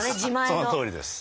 そのとおりです。